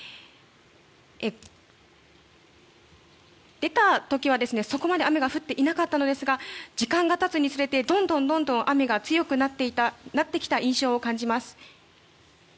出た時は、そこまで雨が降っていなかったのですが時間がたつにつれてどんどん雨が強くなってきた印象です。